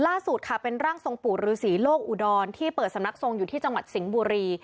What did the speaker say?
ล่าสุดค่ะเป็นร่างทรงปู่ฤษีโลกอุดรที่เปิดสำนักทรงอยู่ที่จังหวัดสิงห์บุรี